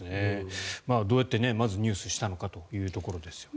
どうやって入手したのかというところですよね。